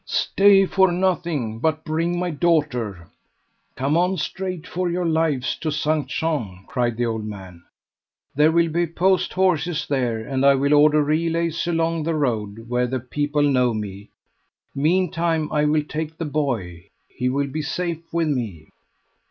"Stay for nothing, but bring my daughter. Come on straight for your lives to Saint Jean," cried the old man. "There will be post horses there, and I will order relays along the road where the people know me. Meantime I will take the boy; he will be safe with me."